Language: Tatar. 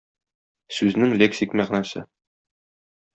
Сүзнең лексик мәгънәсе.